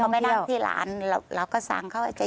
เราไปนั่งที่ร้านเราก็สั่งเขาจะยกไปให้